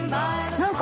何か。